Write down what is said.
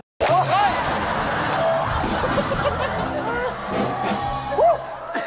เฮ่ย